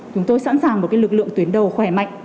chúng tôi sẵn sàng một lực lượng tuyến đầu khỏe mạnh